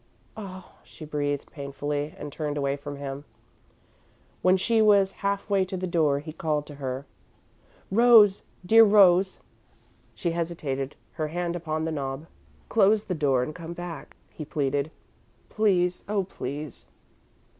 "Oh," she breathed, painfully, and turned away from him. When she was half way to the door, he called to her. "Rose! Dear Rose!" She hesitated, her hand upon the knob. "Close the door and come back," he pleaded. "Please oh, please!"